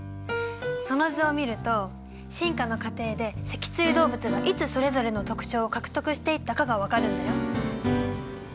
その図を見ると進化の過程で脊椎動物がいつそれぞれの特徴を獲得していったかが分かるんだよ。